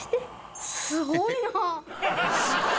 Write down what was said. すごいなあ。